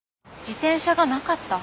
自転車がなかった？